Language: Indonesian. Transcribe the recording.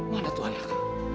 mana tuh anak